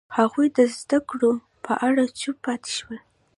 هغوی د زده کړو په اړه چوپ پاتې شول.